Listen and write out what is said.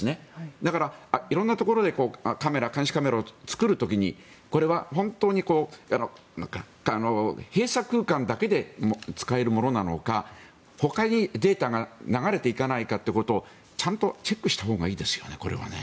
だから色んなところで監視カメラを作る時にこれは本当に閉鎖空間だけで使えるものなのかほかにデータが流れていかないかっていうことをちゃんとチェックしたほうがいいですよね。